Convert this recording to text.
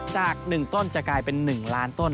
จากหนึ่งต้นจะกลายเป็นหนึ่งล้านต้น